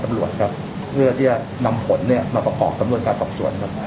ตำรวจครับเพื่อที่จะนำผลเนี่ยมาประกอบสำนวนการสอบสวนครับ